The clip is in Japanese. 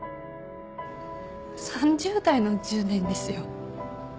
３０代の１０年ですよ。